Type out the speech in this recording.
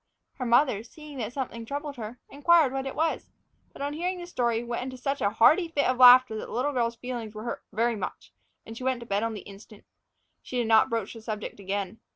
Her mother, seeing that something was troubling her, inquired what it was; but, on hearing the story, went into such a hearty fit of laughter that the little girl's feelings were hurt very much, and she went to bed on the instant. She did not broach the subject again.